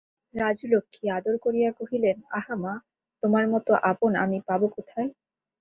রাজলক্ষ্মী আদর করিয়া কহিলেন, আহা মা, তোমার মতো আপন আমি পাব কোথায়।